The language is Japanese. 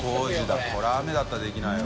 膵筿これは雨だったらできないわ。